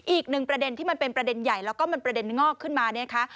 อีกหนึ่งประเด็นที่มันเป็นประเด็นใหญ่แล้วก็มันประเด็นงอกขึ้นมาเนี่ยนะคะ